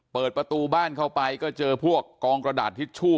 เปิดประตูบ้านเข้าไปก็เจอพวกกองกระดาษทิชชู่